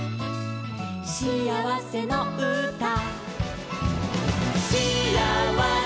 「しあわせのうた」